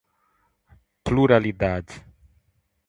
pluralidade